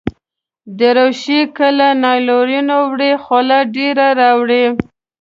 دریشي که له نایلون وي، خوله ډېره راولي.